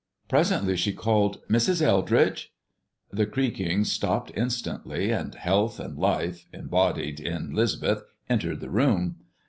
Presently she called, "Mrs. Eldridge!" The creaking stopped instantly, and health and life, embodied in 'Lisbeth, entered the room.